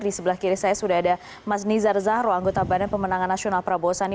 di sebelah kiri saya sudah ada mas nizar zahro anggota badan pemenangan nasional prabowo sani